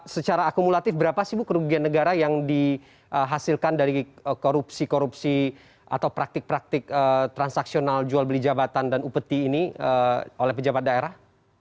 secara akumulatif berapa sih bu kerugian negara yang dihasilkan dari korupsi korupsi atau praktik praktik transaksional jual beli jabatan dan upeti ini oleh pejabat daerah